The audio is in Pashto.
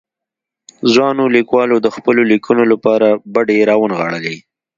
ځوانو ليکوالو د خپلو ليکنو لپاره بډې را ونغاړلې.